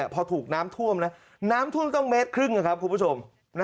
พอถูกน้ำท่วมนะน้ำท่วมต้องเมตรครึ่งนะครับคุณผู้ชม